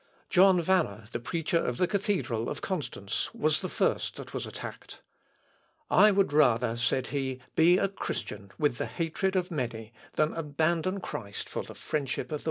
John Wanner, the preacher of the cathedral of Constance, was the first that was attacked. "I would rather," said he, "be a Christian with the hatred of many, than abandon Christ for the friendship of the world."